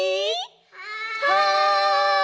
はい！